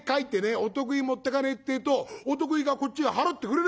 お得意持ってかねえってえとお得意がこっちへ払ってくれねえんだよ。